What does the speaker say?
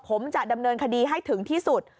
ผมจะดำเนินคดีให้ถึงที่สุด